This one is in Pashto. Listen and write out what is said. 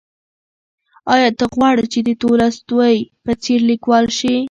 ایا ته غواړې چې د تولستوی په څېر لیکوال شې؟